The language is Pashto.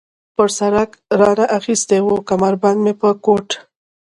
پر سړک را نه اخیستې وه، کمربند مې له کوټ.